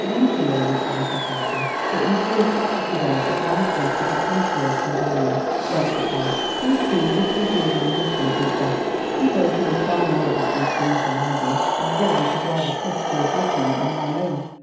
"Usually," replied her father, "but we fear property there is likely to depreciate in value." "Well, papa, please do just as you and my husband think best. You both know far more about these things than I do, and so I should rather trust your judgment than my own."